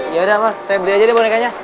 ya udah mas saya beli aja deh bonekanya